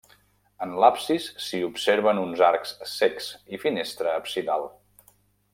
En l'absis s'hi observen uns arcs cecs i finestra absidal.